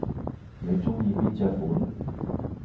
你鍾意邊隻款